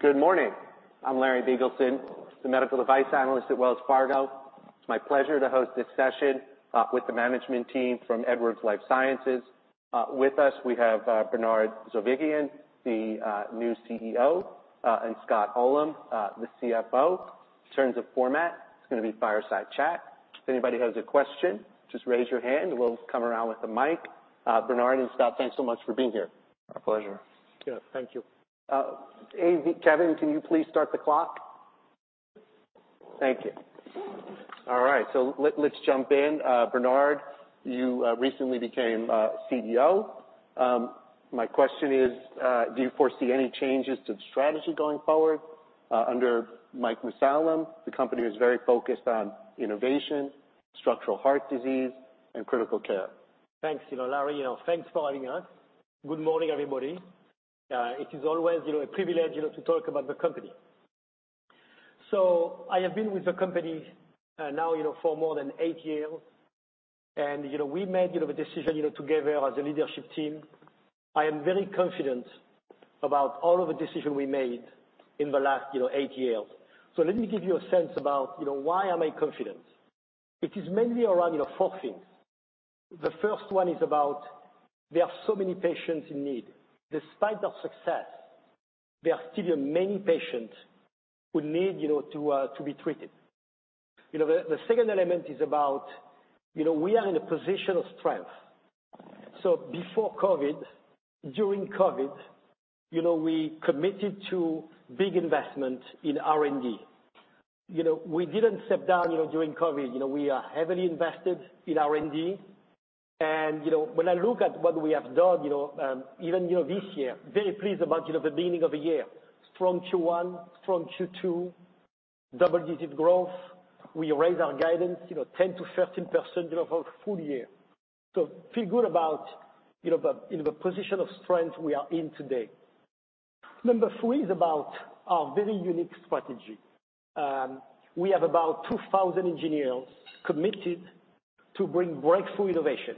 Good morning. I'm Larry Biegelsen, the medical device analyst at Wells Fargo. It's my pleasure to host this session with the management team from Edwards Lifesciences. With us, we have Bernard Zovighian, the new CEO, and Scott Ullem, the CFO. In terms of format, it's gonna be fireside chat. If anybody has a question, just raise your hand, we'll come around with the mic. Bernard and Scott, thanks so much for being here. My pleasure. Yeah. Thank you. Kevin, can you please start the clock? Thank you. All right, so let's jump in. Bernard, you recently became CEO. My question is, do you foresee any changes to the strategy going forward? Under Mike Mussallem, the company was very focused on innovation, structural heart disease, and critical care. Thanks, you know, Larry. You know, thanks for having us. Good morning, everybody. It is always, you know, a privilege, you know, to talk about the company. So I have been with the company now, you know, for more than 8 years. And, you know, we made, you know, the decision, you know, together as a leadership team. I am very confident about all of the decision we made in the last 8 years. So let me give you a sense about, you know, why am I confident? It is mainly around, you know, 4 things. The first one is about there are so many patients in need. Despite our success, there are still many patients who need, you know, to be treated. You know, the second element is about, you know, we are in a position of strength. Before COVID, during COVID, you know, we committed to big investment in R&D. You know, we didn't step down, you know, during COVID. You know, we are heavily invested in R&D. You know, when I look at what we have done, you know, even this year, very pleased about, you know, the beginning of the year. Strong Q1, strong Q2, double-digit growth. We raised our guidance, you know, 10%-13%, you know, for full year. So feel good about, you know, the, in the position of strength we are in today. Number three is about our very unique strategy. We have about 2,000 engineers committed to bring breakthrough innovation,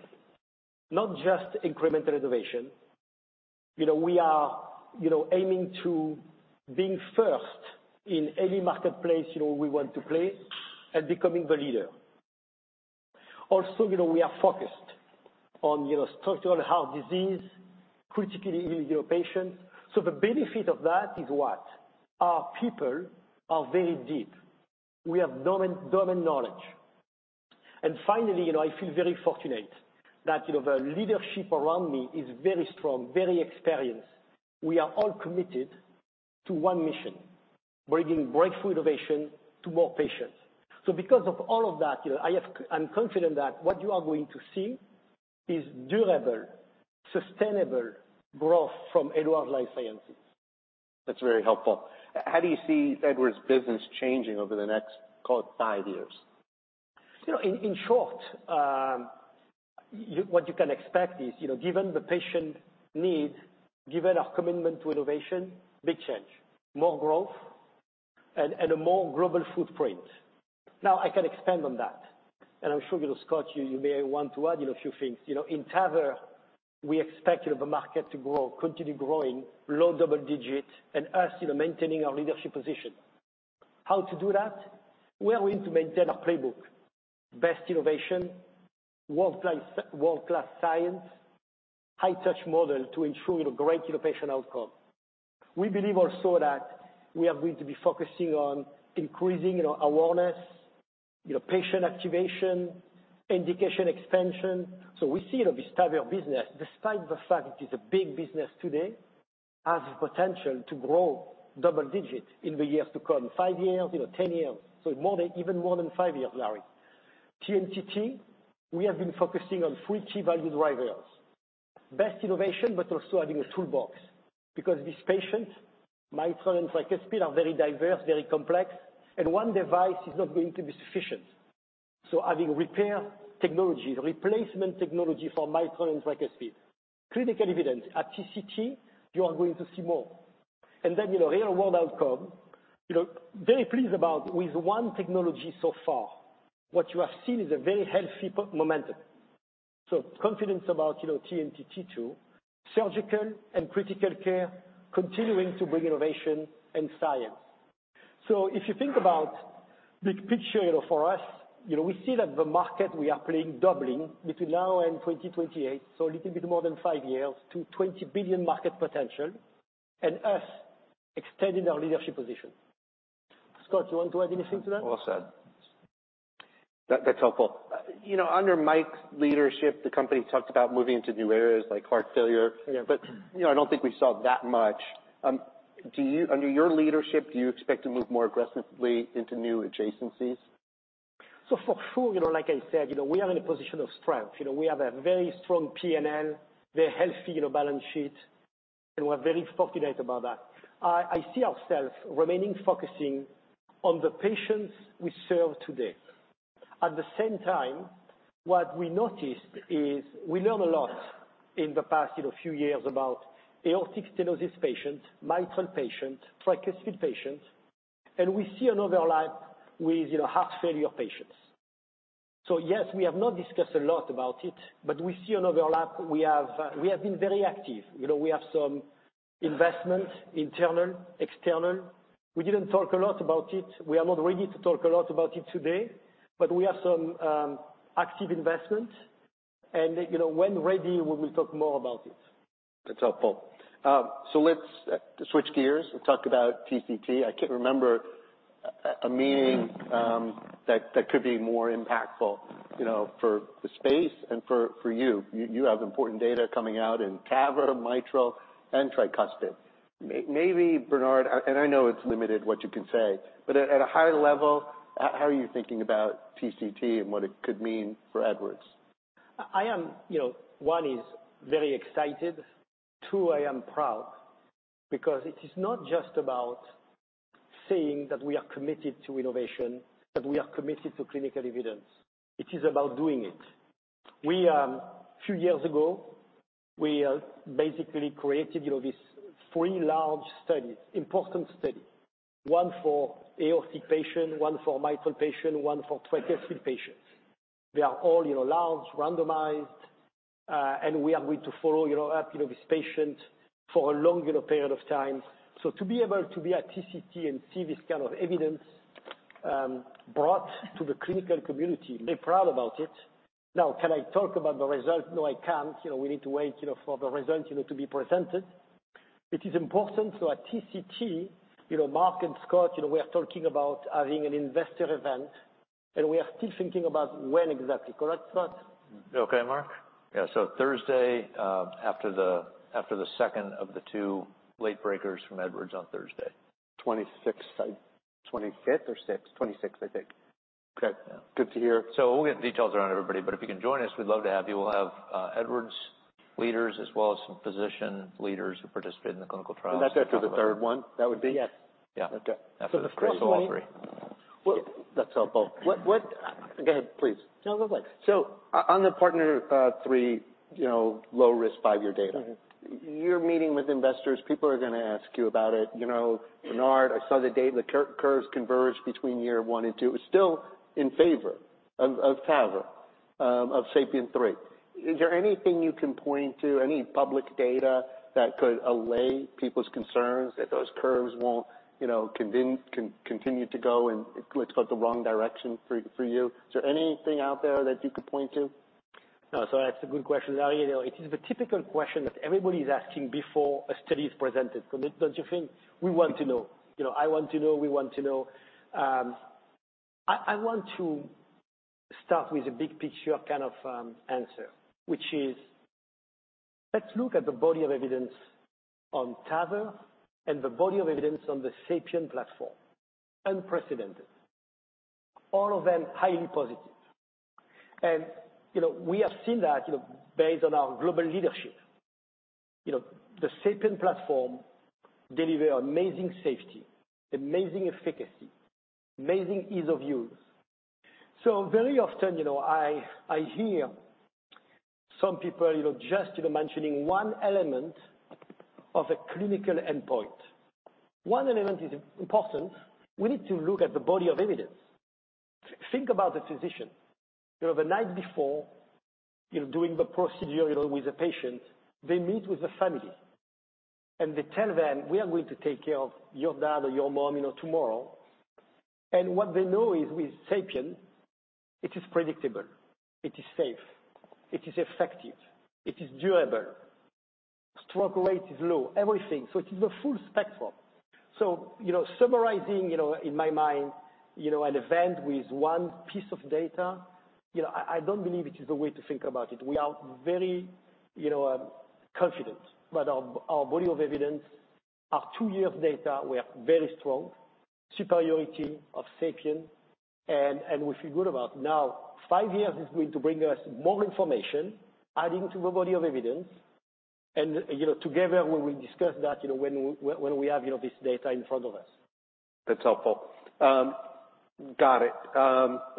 not just incremental innovation. You know, we are, you know, aiming to being first in any marketplace, you know, we want to play, and becoming the leader. Also, you know, we are focused on, you know, structural heart disease, critically ill patient. So the benefit of that is what? Our people are very deep. We have domain, domain knowledge. And finally, you know, I feel very fortunate that, you know, the leadership around me is very strong, very experienced. We are all committed to one mission, bringing breakthrough innovation to more patients. So because of all of that, you know, I have... I'm confident that what you are going to see is durable, sustainable growth from Edwards Lifesciences. That's very helpful. How do you see Edwards' business changing over the next, call it, five years? You know, in short, what you can expect is, you know, given the patient need, given our commitment to innovation, big change, more growth, and a more global footprint. Now, I can expand on that, and I'm sure, you know, Scott, you may want to add in a few things. You know, in TAVR, we expect, you know, the market to grow, continue growing, low double-digit, and us, you know, maintaining our leadership position. How to do that? We are going to maintain our playbook. Best innovation, world-class science, high touch model to ensure, you know, great patient outcome. We believe also that we are going to be focusing on increasing, you know, awareness, you know, patient activation, indication expansion. So we see the stable business, despite the fact it is a big business today, has the potential to grow double-digit in the years to come, 5 years, you know, 10 years. So more than, even more than 5 years, Larry. TMTT, we have been focusing on three key value drivers: best innovation, but also adding a toolbox, because these patients, mitral and tricuspid, are very diverse, very complex, and one device is not going to be sufficient. So adding repair technology, replacement technology for mitral and tricuspid. Critical evidence. At TCT, you are going to see more. And then, you know, real-world outcome, you know, very pleased about with one technology so far, what you have seen is a very healthy momentum. So confidence about, you know, TMTT, too, surgical and critical care continuing to bring innovation and science. So if you think about the picture, you know, for us, you know, we see that the market we are playing doubling between now and 2028, so a little bit more than five years, to $20 billion market potential, and us extending our leadership position. Scott, you want to add anything to that? Well said. That, that's helpful. You know, under Mike's leadership, the company talked about moving into new areas like heart failure. Yeah. You know, I don't think we saw that much. Do you... Under your leadership, do you expect to move more aggressively into new adjacencies? So for sure, you know, like I said, you know, we are in a position of strength. You know, we have a very strong P&L, a very healthy, you know, balance sheet, and we're very fortunate about that. I, I see ourselves remaining focusing on the patients we serve today. At the same time, what we noticed is we learn a lot in the past, you know, few years about aortic stenosis patients, mitral patients, tricuspid patients, and we see an overlap with, you know, heart failure patients. So yes, we have not discussed a lot about it, but we see an overlap. We have, we have been very active. You know, we have some investment, internal, external. We didn't talk a lot about it. We are not ready to talk a lot about it today, but we have some active investment. You know, when ready, we will talk more about it. That's helpful. So let's switch gears and talk about TCT. I can't remember a meeting that could be more impactful, you know, for the space and for you. You have important data coming out in TAVR, mitral, and tricuspid. Maybe, Bernard, and I know it's limited what you can say, but at a high level, how are you thinking about TCT and what it could mean for Edwards? I am, you know, 1, is very excited. 2, I am proud because it is not just about saying that we are committed to innovation, that we are committed to clinical evidence. It is about doing it. We few years ago we basically created, you know, this 3 large study, important study. One for aortic stenosis patient, one for mitral patient, one for tricuspid patients. They are all, you know, large, randomized, and we are going to follow, you know, you know, these patients for a long, you know, period of time. So to be able to be at TCT and see this kind of evidence, brought to the clinical community, we're proud about it. Now, can I talk about the result? No, I can't. You know, we need to wait, you know, for the result, you know, to be presented. It is important to at TCT, you know, Mark and Scott, you know, we are talking about having an investor event, and we are still thinking about when exactly. Correct, Scott? Okay, Mark? Yeah. So Thursday, after the second of the two late breakers from Edwards on Thursday. 26th, 25th or 6th? 26th, I think. Okay, good to hear. So we'll get details around everybody, but if you can join us, we'd love to have you. We'll have Edwards leaders, as well as some physician leaders who participated in the clinical trials. That's after the third one? That would be- Yes. Yeah. Okay. After the first, so all three. Well, that's helpful. What, what... Go ahead, please. No, go ahead. So on the PARTNER 3, you know, low risk five-year data. You're meeting with investors, people are gonna ask you about it. You know, Bernard, I saw the data, the curves converge between year one and two. It's still in favor of TAVR, of SAPIEN 3. Is there anything you can point to, any public data that could allay people's concerns that those curves won't, you know, continue to go in the wrong direction for you? Is there anything out there that you could point to? No. So that's a good question. You know, it is the typical question that everybody's asking before a study is presented. Don't you think? We want to know. You know, I want to know. We want to know. I want to start with a big picture kind of answer, which is: Let's look at the body of evidence on TAVR and the body of evidence on the SAPIEN platform. Unprecedented. All of them highly positive. And, you know, we have seen that, you know, based on our global leadership. You know, the SAPIEN platform deliver amazing safety, amazing efficacy, amazing ease of use. So very often, you know, I hear some people, you know, just, you know, mentioning one element of a clinical endpoint. One element is important. We need to look at the body of evidence. Think about the physician. You know, the night before, you know, doing the procedure, you know, with the patient, they meet with the family, and they tell them, "We are going to take care of your dad or your mom, you know, tomorrow." And what they know is with SAPIEN, it is predictable, it is safe, it is effective, it is durable. Stroke rate is low, everything. So it is the full spectrum. So, you know, summarizing, you know, in my mind, you know, an event with one piece of data, you know, I, I don't believe it is the way to think about it. We are very, you know, confident about our, our body of evidence. Our two years data, we are very strong. Superiority of SAPIEN, and, and we feel good about. Now, five years is going to bring us more information, adding to the body of evidence, and, you know, together, when we discuss that, you know, when we have, you know, this data in front of us. That's helpful. Got it.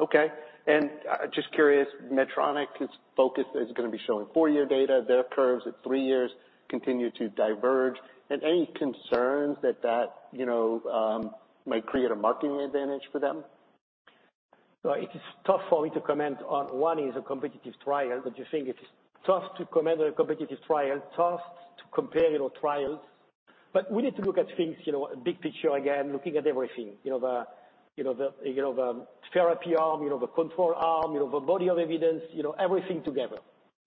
Okay. And just curious, Medtronic's focus is gonna be showing four-year data. Their curves at three years continue to diverge. And any concerns that you know might create a marketing advantage for them? It is tough for me to comment on. One is a competitive trial. Don't you think it is tough to comment on a competitive trial? Tough to compare, you know, trials, but we need to look at things, you know, big picture again, looking at everything. You know, the therapy arm, you know, the control arm, you know, the body of evidence, you know, everything together.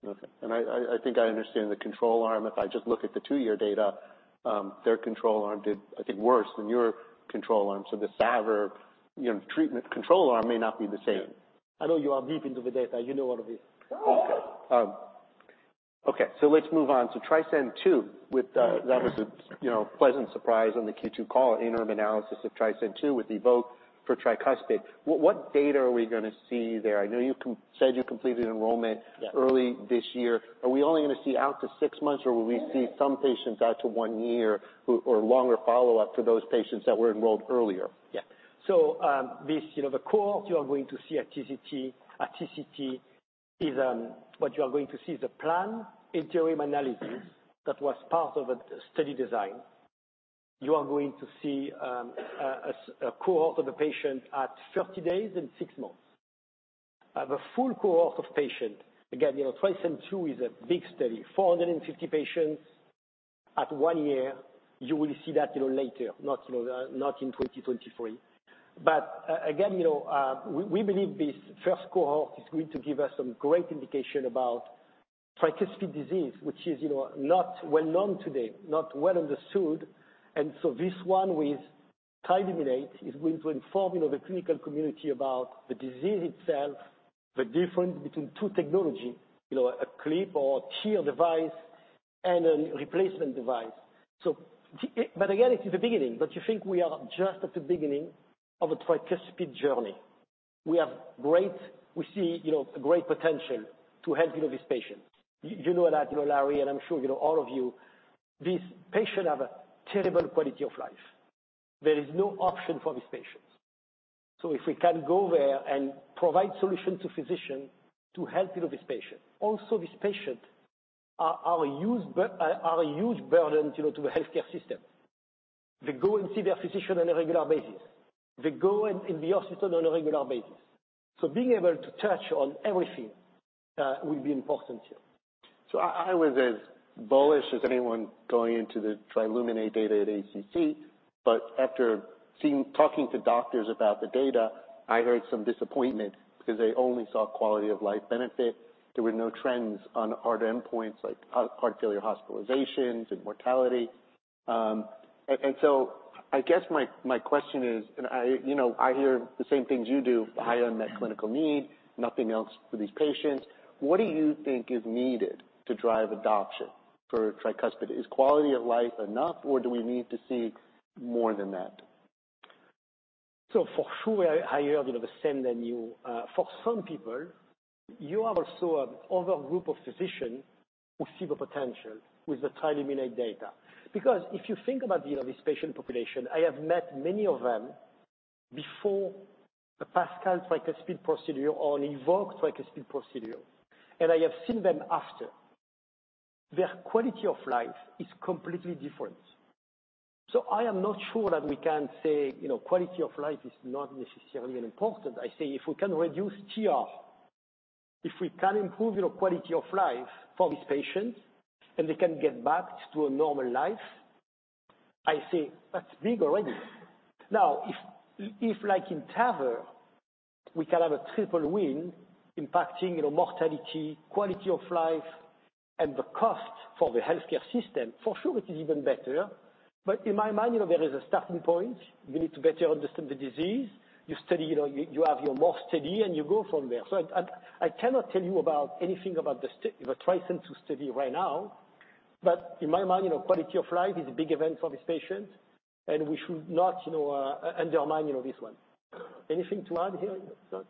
Okay. And I think I understand the control arm. If I just look at the two-year data, their control arm did, I think, worse than your control arm. So the TAVR, you know, treatment control arm may not be the same. I know you are deep into the data. You know all of this. Okay. Okay, so let's move on. So TRICEND II, with that was a, you know, pleasant surprise on the Q2 call, interim analysis of TRICEND II with EVOQUE for tricuspid. What data are we gonna see there? I know you said you completed enrollment- Yeah. Early this year. Are we only gonna see out to six months, or will we see some patients out to one year who, or longer follow-up to those patients that were enrolled earlier? Yeah. So, this, you know, the cohort you are going to see at TCT, at TCT is what you are going to see is a planned interim analysis that was part of a study design. You are going to see a cohort of the patients at 30 days and 6 months. The full cohort of patients, again, you know, TRICEND II is a big study, 450 patients at 1 year. You will see that, you know, later, not, you know, not in 2023. But again, you know, we believe this first cohort is going to give us some great indication about tricuspid disease, which is, you know, not well-known today, not well understood. And so this one with TRILUMINATE is going to inform, you know, the clinical community about the disease itself, the difference between two technology, you know, a clip or TEER device and a replacement device. So but again, it is the beginning, but you think we are just at the beginning of a tricuspid journey. We see, you know, a great potential to help, you know, these patients. You, you know that, you know, Larry, and I'm sure you know all of you, these patients have a terrible quality of life. There is no option for these patients. So if we can go there and provide solutions to physicians to help, you know, these patients. Also, these patients are a huge burden, you know, to the healthcare system. They go and see their physician on a regular basis. They go in, in the hospital on a regular basis. So being able to touch on everything, will be important here. So I was as bullish as anyone going into the TRILUMINATE data at ACC, but after seeing, talking to doctors about the data, I heard some disappointment because they only saw quality of life benefit. There were no trends on hard endpoints like heart failure hospitalizations and mortality. So I guess my question is, you know, I hear the same things you do, high unmet clinical need, nothing else for these patients. What do you think is needed to drive adoption for tricuspid? Is quality of life enough, or do we need to see more than that? So for sure, I heard, you know, the same than you. For some people, you have also another group of physicians who see the potential with the TRILUMINATE data. Because if you think about, you know, this patient population, I have met many of them before the PASCAL tricuspid procedure or an EVOQUE tricuspid procedure, and I have seen them after. Their quality of life is completely different. So I am not sure that we can say, you know, quality of life is not necessarily important. I say if we can reduce TR, if we can improve, you know, quality of life for these patients, and they can get back to a normal life, I say that's big already. Now, if, if like in TAVR, we can have a triple win impacting, you know, mortality, quality of life, and the cost for the healthcare system, for sure it is even better. In my mind, you know, there is a starting point. We need to better understand the disease. You study, you know, you, you have your more study, and you go from there. I cannot tell you about anything about the TRICEND II study right now. In my mind, you know, quality of life is a big event for this patient, and we should not, you know, undermine, you know, this one. Anything to add here, Scott?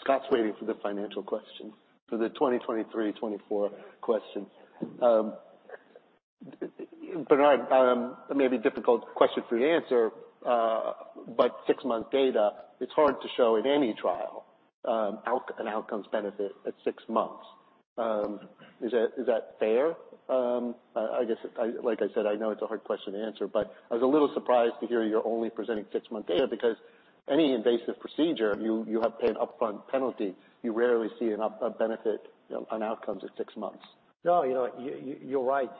Scott's waiting for the financial question, for the 2023, 2024 question. Bernard, it may be a difficult question for you to answer, but six-month data, it's hard to show in any trial, outcomes benefit at six months. Is that, is that fair? I guess, like I said, I know it's a hard question to answer, but I was a little surprised to hear you're only presenting six-month data because any invasive procedure, you have paid an upfront penalty. You rarely see an up, a benefit on outcomes at six months. No, you know, you're right.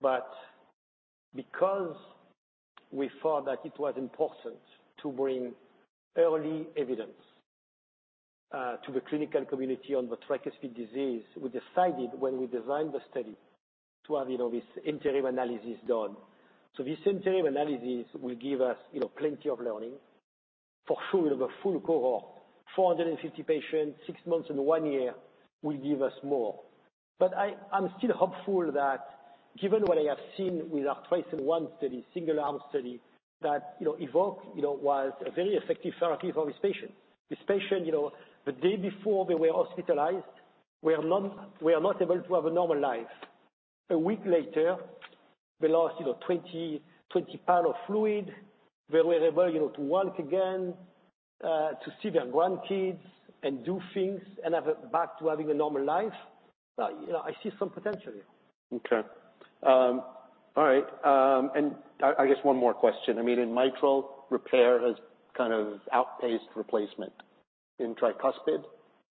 But because we thought that it was important to bring early evidence to the clinical community on the tricuspid disease, we decided when we designed the study to have, you know, this interim analysis done. So this interim analysis will give us, you know, plenty of learning. For sure, we have a full cohort, 450 patients, six months and one year will give us more. But I'm still hopeful that given what I have seen with our TRICEND I study, single-arm study, that, you know, EVOQUE, you know, was a very effective therapy for this patient. This patient, you know, the day before they were hospitalized, were not able to have a normal life. A week later, they lost, you know, 20 pounds of fluid. They were able, you know, to walk again, to see their grandkids and do things and get back to having a normal life. You know, I see some potential here. Okay. All right, and I guess one more question. I mean, in mitral, repair has kind of outpaced replacement. In tricuspid,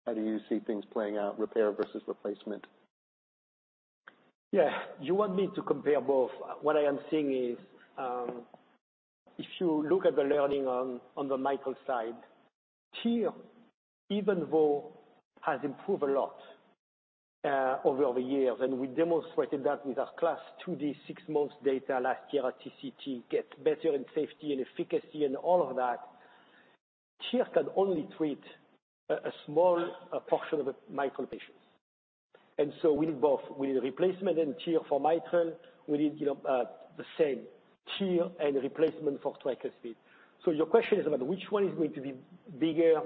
how do you see things playing out, repair versus replacement? Yeah. You want me to compare both. What I am seeing is, if you look at the learning on the mitral side, TEER, even though has improved a lot over the years, and we demonstrated that with our CLASP IID six months data last year at TCT, gets better in safety and efficacy and all of that. TEER can only treat a small portion of the mitral patients. And so we need both. We need replacement and TEER for mitral. We need, you know, the same TEER and replacement for tricuspid. So your question is about which one is going to be bigger?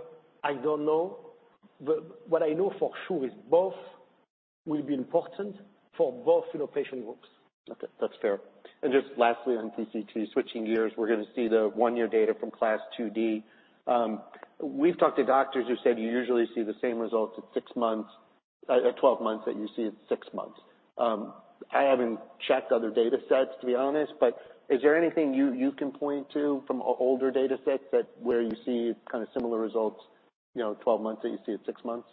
I don't know. But what I know for sure is both will be important for both, you know, patient groups. Okay, that's fair. And just lastly, on TCT, switching gears, we're going to see the one-year data from CLASP IID. We've talked to doctors who said you usually see the same results at six months at twelve months that you see at six months. I haven't checked other data sets, to be honest, but is there anything you can point to from older data sets that where you see kind of similar results, you know, twelve months that you see at six months?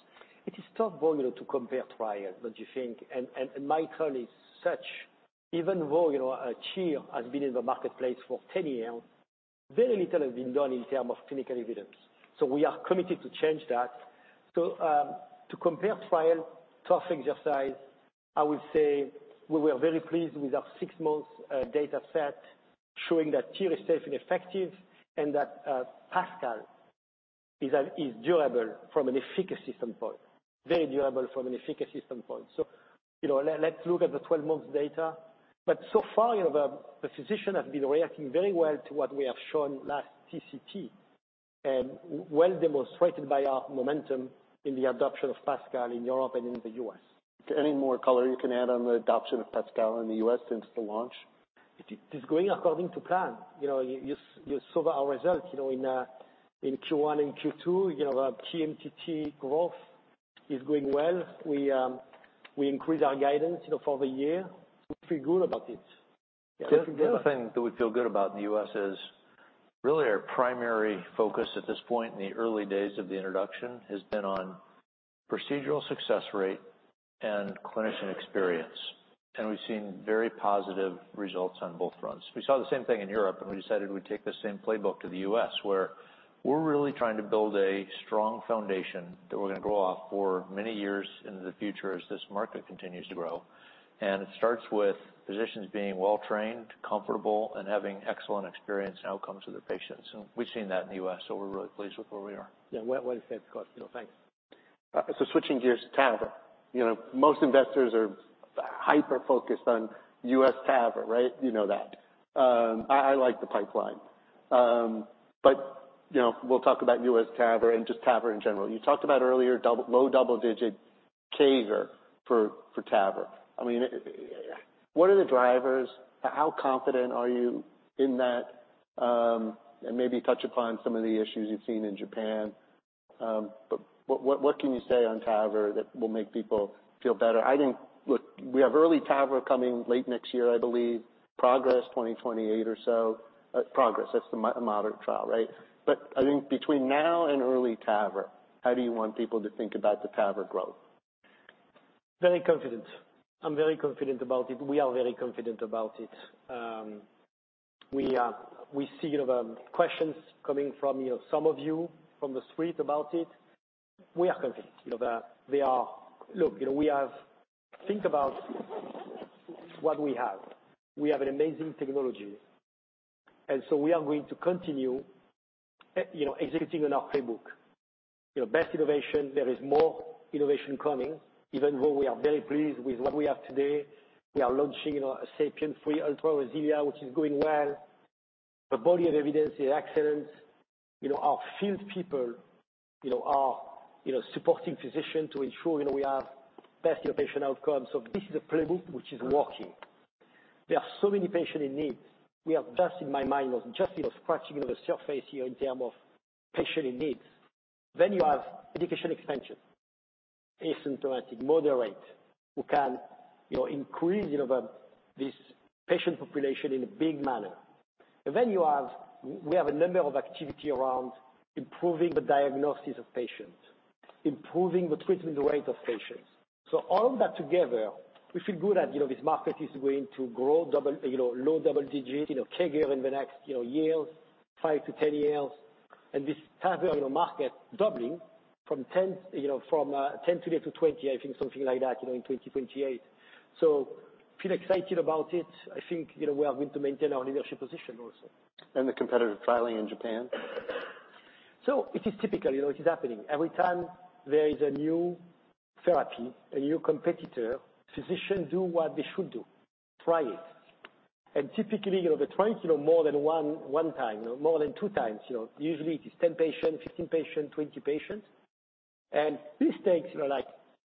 It is tough, well, you know, to compare trial, but you think, and my turn is such, even though, you know, TEER has been in the marketplace for 10 years, very little has been done in terms of clinical evidence. We are committed to change that. To compare trial, tough exercise, I would say we were very pleased with our 6 months data set, showing that TEER is safe and effective, and that PASCAL is durable from an efficacy standpoint. Very durable from an efficacy standpoint. You know, let's look at the 12 months data, but so far, you know, the physician have been reacting very well to what we have shown last TCT, and well demonstrated by our momentum in the adoption of PASCAL in Europe and in the U.S. Any more color you can add on the adoption of PASCAL in the US since the launch? It is going according to plan. You know, you saw our results, you know, in Q1 and Q2, you know, our TMTT growth is going well. We increase our guidance, you know, for the year. We feel good about it. The other thing that we feel good about in the U.S. is really our primary focus at this point in the early days of the introduction, has been on procedural success rate and clinician experience, and we've seen very positive results on both fronts. We saw the same thing in Europe, and we decided we'd take the same playbook to the U.S., where we're really trying to build a strong foundation that we're gonna grow off for many years into the future as this market continues to grow. It starts with physicians being well trained, comfortable, and having excellent experience and outcomes with their patients. We've seen that in the U.S., so we're really pleased with where we are. Yeah. Well, well said, Scott. Thanks. Switching gears, TAVR. You know, most investors are hyper-focused on U.S. TAVR, right? You know that. I like the pipeline. You know, we'll talk about U.S. TAVR and just TAVR in general. You talked about earlier, low double-digit CAGR for TAVR. I mean, what are the drivers? How confident are you in that? Maybe touch upon some of the issues you've seen in Japan. What can you say on TAVR that will make people feel better? I think... Look, we have EARLY TAVR coming late next year, I believe. PROGRESS, 2028 or so. PROGRESS, that's the moderate trial, right? I think between now and EARLY TAVR, how do you want people to think about the TAVR growth? Very confident. I'm very confident about it. We are very confident about it. We see, you know, questions coming from, you know, some of you from the suite about it. We are confident, you know, that they are- Look, you know, we have- think about what we have. We have an amazing technology, and we are going to continue, you know, executing on our playbook. You know, best innovation. There is more innovation coming, even though we are very pleased with what we have today. We are launching, you know, SAPIEN 3 Ultra RESILIA, which is going well. The body of evidence is excellent. You know, our field people, you know, are, you know, supporting physicians to ensure, you know, we have best patient outcomes. This is a playbook which is working. There are so many patient in needs. We are just, in my mind, just, you know, scratching the surface here in terms of patient needs. Then you have indication expansion, asymptomatic, moderate, who can, you know, increase, you know, the, this patient population in a big manner. And then you have, we have a number of activities around improving the diagnosis of patients, improving the treatment rate of patients. So all of that together, we feel good that, you know, this market is going to grow double, you know, low double digits, you know, CAGR in the next, you know, years, 5-10 years. And this TAVR, you know, market doubling from 10, you know, from, 10 today to 20, I think something like that, you know, in 2028. So feel excited about it. I think, you know, we are going to maintain our leadership position also. The competitive trialing in Japan? It is typical, you know, it is happening. Every time there is a new therapy, a new competitor, physicians do what they should do, try it. Typically, you know, they try it, you know, more than one time, more than two times, you know. Usually, it is 10 patients, 15 patients, 20 patients. This takes, you know, like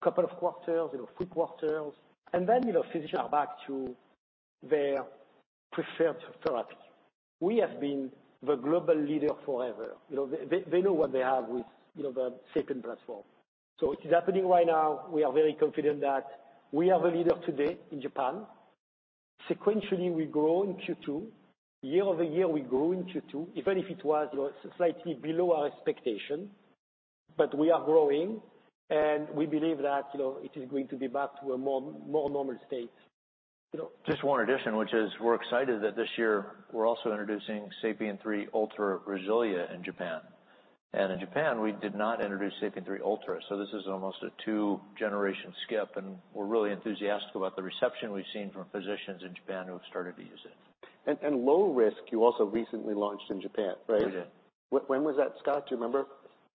a couple of quarters, you know, three quarters, and then, you know, physicians are back to their preferred therapy. We have been the global leader forever. You know, they know what they have with, you know, the SAPIEN platform. It is happening right now. We are very confident that we are the leader today in Japan. Sequentially, we grow in Q2. Year-over-year, we grow in Q2, even if it was, you know, slightly below our expectation, but we are growing, and we believe that, you know, it is going to be back to a more, more normal state, you know. Just one addition, which is we're excited that this year we're also introducing SAPIEN 3 Ultra RESILIA in Japan. And in Japan, we did not introduce SAPIEN 3 Ultra, so this is almost a two-generation skip, and we're really enthusiastic about the reception we've seen from physicians in Japan who have started to use it. And low risk, you also recently launched in Japan, right? We did. When was that, Scott? Do you remember?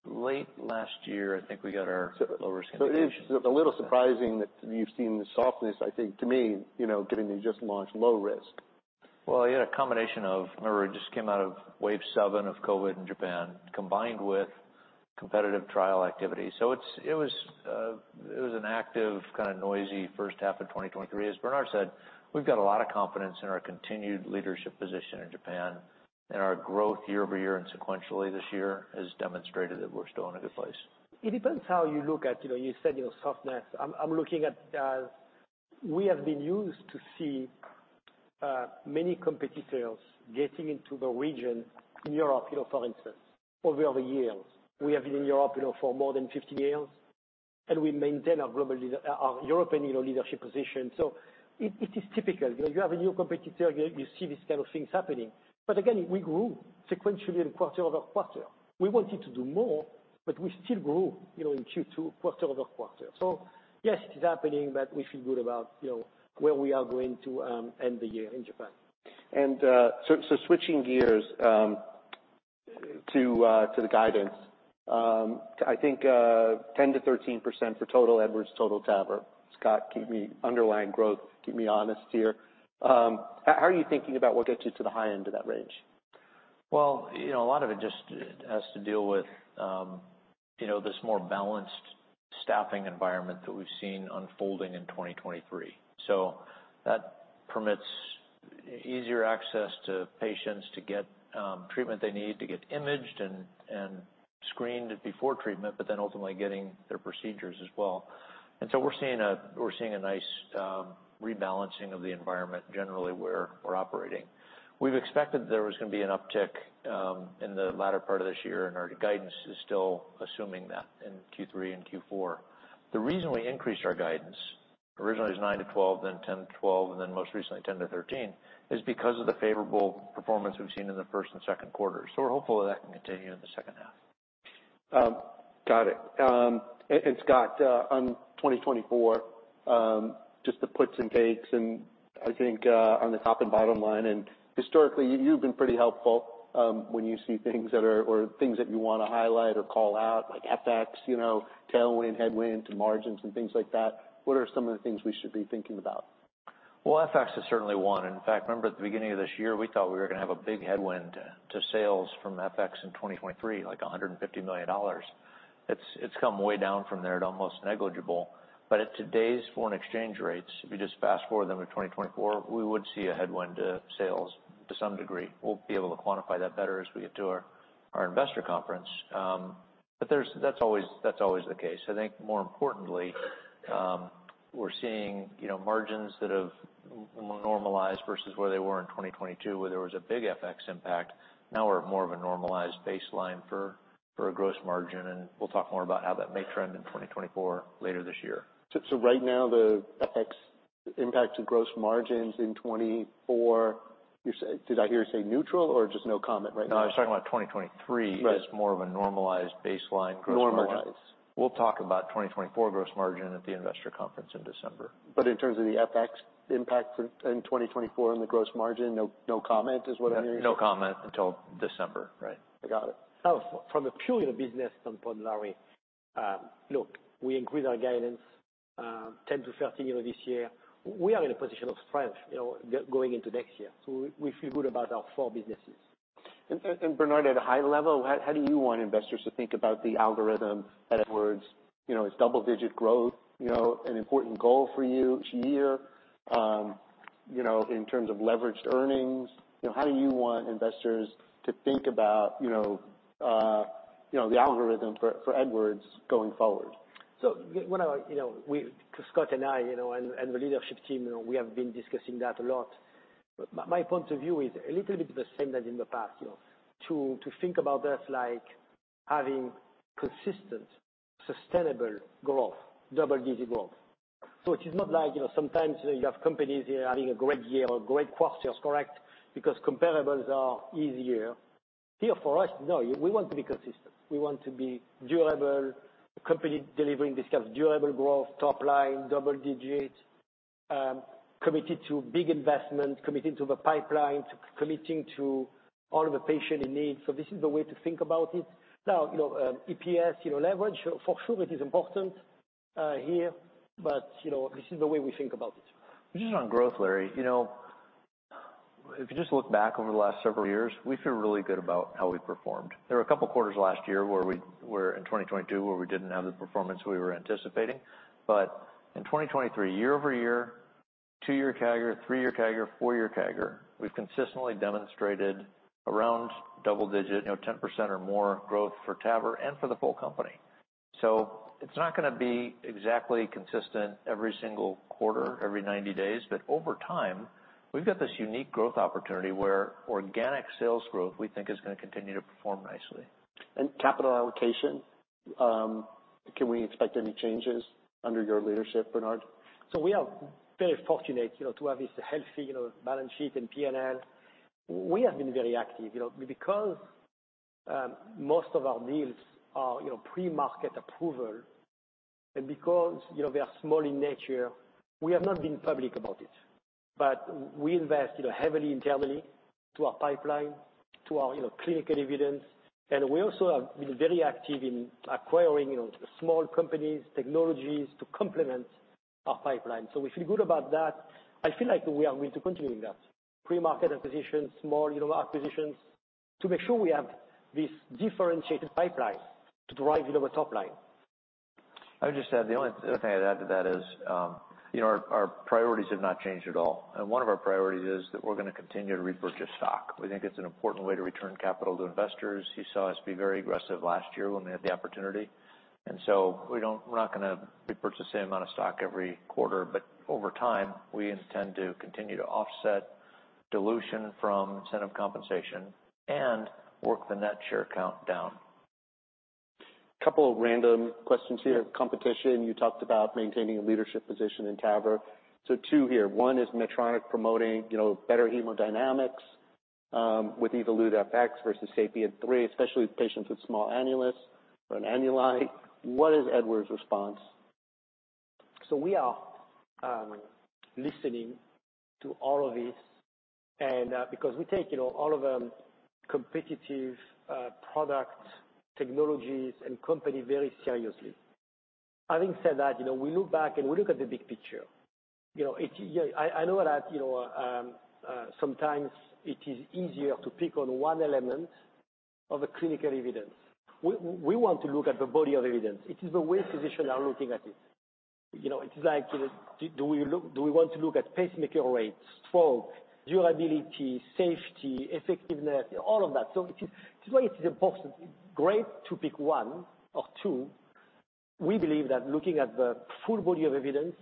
Late last year, I think we got our lowest- It is a little surprising that you've seen the softness, I think, to me, you know, given you just launched low risk. Well, you had a combination of... Remember, it just came out of wave 7 of COVID in Japan, combined with competitive trial activity. So it was an active, kind of noisy first half of 2023. As Bernard said, we've got a lot of confidence in our continued leadership position in Japan, and our growth year-over-year and sequentially this year has demonstrated that we're still in a good place. It depends how you look at, you know, you said, you know, softness. I'm looking at, we have been used to see many competitors getting into the region, in Europe, you know, for instance, over the years. We have been in Europe, you know, for more than 50 years, and we maintain our global leader, our European, you know, leadership position. It is typical. You know, you have a new competitor, you see these kind of things happening. Again, we grew sequentially and quarter-over-quarter. We wanted to do more, but we still grew, you know, in Q2, quarter-over-quarter. Yes, it is happening, but we feel good about, you know, where we are going to end the year in Japan. Switching gears to the guidance. I think 10%-13% for total Edwards, total TAVR underlying growth. Scott, keep me honest here. How are you thinking about what gets you to the high end of that range? Well, you know, a lot of it just has to deal with, you know, this more balanced staffing environment that we've seen unfolding in 2023. So that permits easier access to patients to get treatment they need, to get imaged and screened before treatment, but then ultimately getting their procedures as well. And so we're seeing a nice rebalancing of the environment, generally, where we're operating. We've expected there was going to be an uptick in the latter part of this year, and our guidance is still assuming that in Q3 and Q4. The reason we increased our guidance, originally it was 9-12, then 10-12, and then most recently, 10-13, is because of the favorable performance we've seen in the first and Q2. So we're hopeful that can continue in the second half. Got it. And Scott, on 2024, just the puts and takes, and I think, on the top and bottom line, and historically, you've been pretty helpful, when you see things that are, or things that you want to highlight or call out, like FX, you know, tailwind, headwind to margins and things like that. What are some of the things we should be thinking about? Well, FX is certainly one. In fact, remember at the beginning of this year, we thought we were going to have a big headwind to sales from FX in 2023, like $150 million. It's, it's come way down from there to almost negligible. But at today's foreign exchange rates, if you just fast-forward them to 2024, we would see a headwind to sales to some degree. We'll be able to quantify that better as we get to our, our investor conference. But that's always, that's always the case. I think more importantly, we're seeing, you know, margins that have normalized versus where they were in 2022, where there was a big FX impact. Now we're at more of a normalized baseline for a gross margin, and we'll talk more about how that may trend in 2024, later this year. So, right now, the FX impact to gross margins in 2024, you say—did I hear you say neutral or just no comment right now? No, I was talking about 2023- Right. as more of a normalized baseline gross margin. Normalized. We'll talk about 2024 gross margin at the investor conference in December. But in terms of the FX impact for, in 2024 and the gross margin, no, no comment, is what I'm hearing? No comment until December, right? I got it. From a purely business standpoint, Larry, look, we increased our guidance 10-13 earlier this year. We are in a position of strength, you know, going into next year, so we feel good about our four businesses. Bernard, at a high level, how do you want investors to think about the algorithm at Edwards? You know, is double-digit growth, you know, an important goal for you each year? You know, in terms of leveraged earnings, you know, how do you want investors to think about, you know, the algorithm for Edwards going forward? So when I, you know, Scott and I, you know, and the leadership team, you know, we have been discussing that a lot. But my point of view is a little bit the same as in the past, you know, to think about us like having consistent, sustainable growth, double-digit growth. So it is not like, you know, sometimes, you have companies, they're having a great year or great quarters, correct, because comparables are easier. Here, for us, no, we want to be consistent. We want to be durable, a company delivering this kind of durable growth, top line, double digits, committed to big investment, committed to the pipeline, to committing to all of the patient in need. So this is the way to think about it. Now, you know, EPS, you know, leverage, for sure it is important here, but, you know, this is the way we think about it. Just on growth, Larry, you know, if you just look back over the last several years, we feel really good about how we performed. There were a couple quarters last year where in 2022, we didn't have the performance we were anticipating. But in 2023, year-over-year, 2-year CAGR, 3-year CAGR, 4-year CAGR, we've consistently demonstrated around double-digit, you know, 10% or more growth for TAVR and for the full company. So it's not going to be exactly consistent every single quarter, every 90 days, but over time, we've got this unique growth opportunity where organic sales growth, we think, is going to continue to perform nicely. Capital allocation, can we expect any changes under your leadership, Bernard? So we are very fortunate, you know, to have this healthy, you know, balance sheet and PNL. We have been very active, you know, because most of our deals are, you know, pre-market approval, and because, you know, they are small in nature, we have not been public about it. But we invest, you know, heavily internally to our pipeline, to our, you know, clinical evidence, and we also have been very active in acquiring, you know, small companies, technologies to complement our pipeline. So we feel good about that. I feel like we are going to continue that. Pre-market acquisitions, small, you know, acquisitions, to make sure we have this differentiated pipeline to drive, you know, the top line. I would just add, the only other thing I'd add to that is, you know, our priorities have not changed at all. And one of our priorities is that we're going to continue to repurchase stock. We think it's an important way to return capital to investors. You saw us be very aggressive last year when we had the opportunity, and so we're not going to repurchase the same amount of stock every quarter, but over time, we intend to continue to offset dilution from incentive compensation and work the net share count down. Couple of random questions here. Competition, you talked about maintaining a leadership position in TAVR. So two here, one, is Medtronic promoting, you know, better hemodynamics with Evolut FX versus SAPIEN 3, especially with patients with small annulus or an annuli? What is Edwards' response? So we are listening to all of this, and because we take, you know, all of them competitive product, technologies, and company very seriously. Having said that, you know, we look back and we look at the big picture. You know, I know that, you know, sometimes it is easier to pick on one element of a clinical evidence. We want to look at the body of evidence. It is the way physicians are looking at it. You know, it's like, do we want to look at pacemaker rates, stroke, durability, safety, effectiveness, all of that? So it is. This is why it is important. Great to pick one or two. We believe that looking at the full body of evidence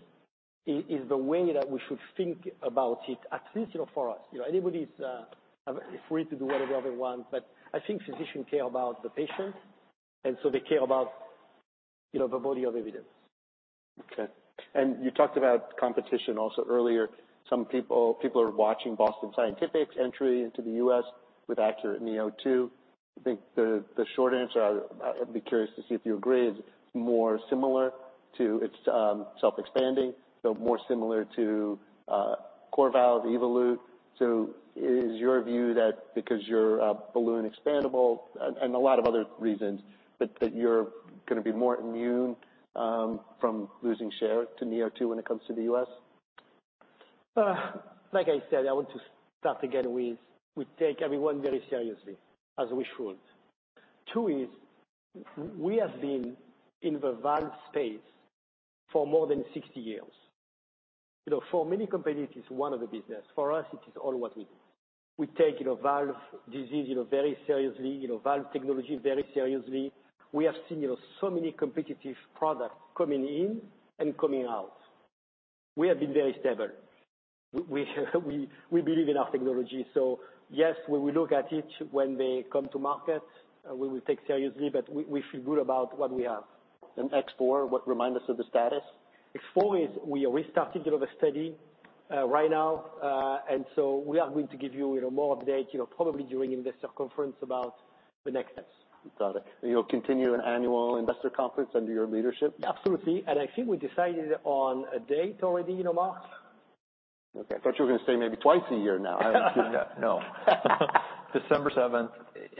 is the way that we should think about it, at least, you know, for us. You know, anybody is free to do whatever they want, but I think physicians care about the patient, and so they care about, you know, the body of evidence. Okay. And you talked about competition also earlier. Some people, people are watching Boston Scientific's entry into the US with ACURATE neo2. I think the short answer, I'd be curious to see if you agree, is more similar to its self-expanding, so more similar to CoreValve, Evolut. So is your view that because you're a balloon expandable, and a lot of other reasons, but that you're gonna be more immune from losing share to neo2 when it comes to the US? Like I said, I want to start again with, we take everyone very seriously, as we should. Two is, we have been in the valve space for more than 60 years. You know, for many companies, it is one of the business. For us, it is all what we do. We take, you know, valve disease, you know, very seriously, you know, valve technology very seriously. We have seen, you know, so many competitive products coming in and coming out. We have been very stable. We, we believe in our technology. So yes, when we look at each, when they come to market, we will take seriously, but we, we feel good about what we have. X4, what... remind us of the status. X4 is, we are restarting, you know, the study right now. And so we are going to give you, you know, more update, you know, probably during Investor Conference about the next steps. Got it. And you'll continue an annual investor conference under your leadership? Absolutely. I think we decided on a date already, you know, Mark? Okay. I thought you were going to say maybe twice a year now. No. December 7,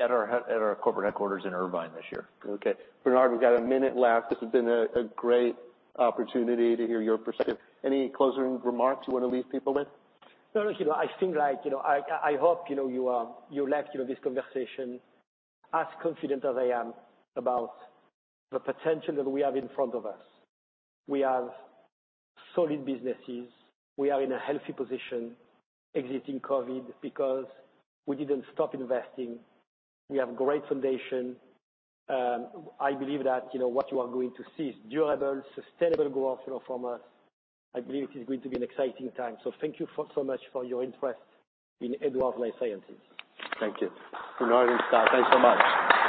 at our corporate headquarters in Irvine this year. Okay. Bernard, we've got a minute left. This has been a great opportunity to hear your perspective. Any closing remarks you want to leave people with? No, you know, I think like, you know, I hope, you know, you are, you left, you know, this conversation as confident as I am about the potential that we have in front of us. We have solid businesses. We are in a healthy position exiting COVID because we didn't stop investing. We have great foundation. I believe that, you know, what you are going to see is durable, sustainable growth, you know, from us. I believe it is going to be an exciting time. So thank you so, so much for your interest in Edwards Lifesciences. Thank you. Bernard, thanks so much.